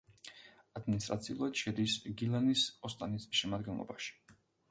ადმინისტრაციულად შედის გილანის ოსტანის შემადგენლობაში.